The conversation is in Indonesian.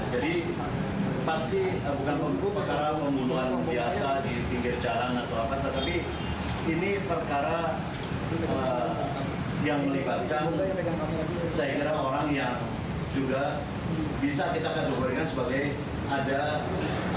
jadi pasti bukan perkara pembunuhan biasa di pinggir jalan atau apa tapi ini perkara yang melibatkan saya kira orang yang juga bisa kita kandungkan sebagai ada latar belakang politik tentu saja